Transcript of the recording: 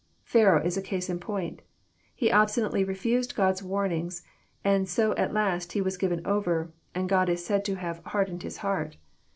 Pharaoh is a case in point. He obstinately refused God's warnings, and so at last He was given over, and God is said to have hardened his heart.